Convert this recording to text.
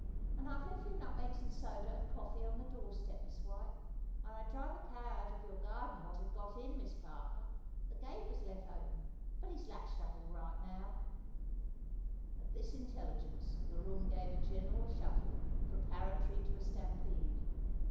—"an' I've lef' your nutmegs and soda and coffee on the doorstep, Miss White; and I driv a cow out of your garden, what had got in, Miss Parker; the gate was lef' open; but he's latched up all right now——" At this intelligence the room gave a general shuffle, preparatory to a stampede.